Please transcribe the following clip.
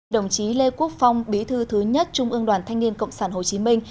đồng chí lê quốc phong bí thư thứ nhất trung ương đoàn thanh niên cộng sản hồ chí minh